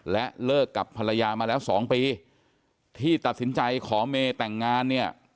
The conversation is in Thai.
และเลิกกับภรรยามาแล้ว๒ปีที่ตัดสินใจขอเมย์แต่งงานเนี่ย